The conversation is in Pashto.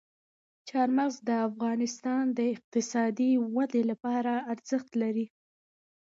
چار مغز د افغانستان د اقتصادي ودې لپاره ارزښت لري.